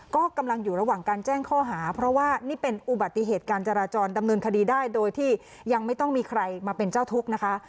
ก็กำลังอยู่ระหว่างการแจ้งข้อหาเพราะว่านี่เป็นอุบัติเหตุการจราจรดำเนินคดีได้โดยที่ยังไม่ต้องมีใครมาเป็นเจ้าทุกข์นะคะ